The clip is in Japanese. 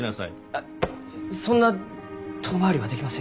あそんな遠回りはできませんき。